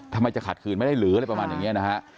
จะขัดขืนไม่ได้หรืออะไรประมาณอย่างนี้นะฮะ